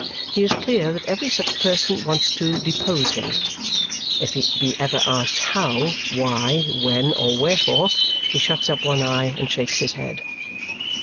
He is clear that every such person wants to depose him. If he be ever asked how, why, when, or wherefore, he shuts up one eye and shakes his head.